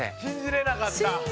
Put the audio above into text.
信じれなかった。